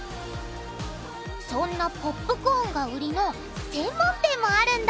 そんなポップコーンが売りの専門店もあるんだ！